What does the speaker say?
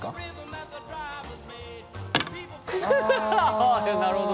ああなるほどね。